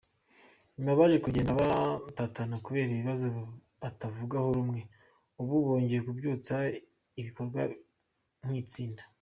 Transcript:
Nyuma baje kugenda batatana kubera ibibazo batavugaho rumwe, ubu bongeye kubyutsa ibikorwa nk’itsinda.